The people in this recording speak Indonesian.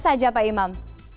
bagaimana saja pak imam